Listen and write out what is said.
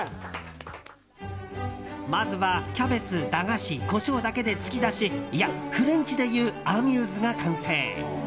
まずはキャベツ、駄菓子コショウだけで突き出しいや、フレンチでいうアミューズが完成。